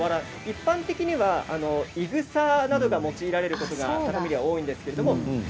一般的にはいぐさなどが用いられることが特に多いんですけれども。